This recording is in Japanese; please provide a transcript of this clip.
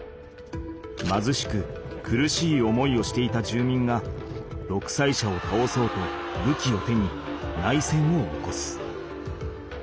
まずしく苦しい思いをしていた住民がどくさい者をたおそうとぶきを手に内戦を起こす。